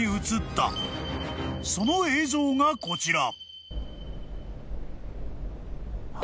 ［その映像がこちら］